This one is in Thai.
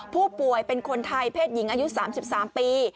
ผู้ป่วยเป็นคนไทยเพศหญิงอายุ๓๓ปี